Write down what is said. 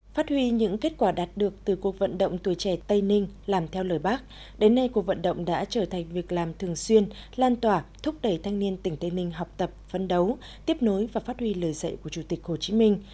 phát huy những kết quả đạt được từ cuộc vận động tuổi trẻ tây ninh làm theo lời bác đến nay cuộc vận động đã trở thành việc làm thường xuyên lan tỏa thúc đẩy thanh niên tỉnh tây ninh học tập phấn đấu tiếp nối và phát huy lời dạy của chủ tịch hồ chí minh